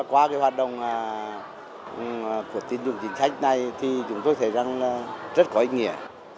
qua hoạt động của tín dụng chính sách này thì chúng tôi thấy rất có ý nghĩa